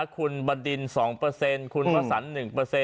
คุณบัตดิน๒คุณผ้าศรัส๑